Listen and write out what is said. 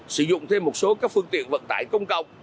sử dụng thêm một số các phương tiện vận tải công cộng